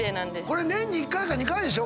これ年に１回か２回でしょ？